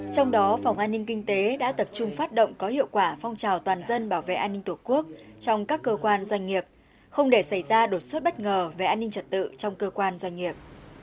trong đó phòng an ninh kinh tế đã tập trung phát động có hiệu quả phong trào toàn dân bảo vệ an ninh tổ quốc trong các cơ quan doanh nghiệp không để xảy ra đột xuất bất ngờ về an ninh trật tự trong cơ quan doanh nghiệp